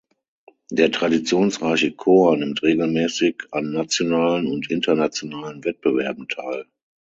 Der traditionsreiche Chor nimmt regelmäßig an nationalen und internationalen Wettbewerben teil.